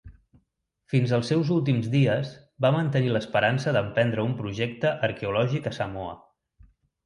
Fins als seus últims dies va mantenir l'esperança d'emprendre un projecte arqueològic a Samoa.